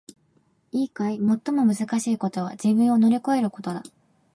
いいかい！最もむずかしいことは自分を乗り越えることだ！